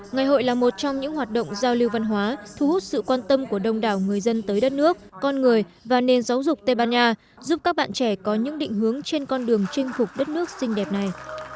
ngày hội là một trong những hoạt động giao lưu văn hóa thu hút sự quan tâm của đông đảo người dân tới đất nước con người và nền giáo dục tây ban nha giúp các bạn trẻ có những định hướng trên con đường chinh phục đất nước xinh đẹp này